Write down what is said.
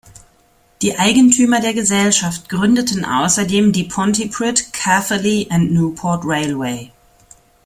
Die Eigentümer der Gesellschaft gründeten außerdem die Pontypridd, Caerphilly and Newport Railway.